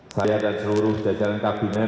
saya dan seluruh jajaran kabinet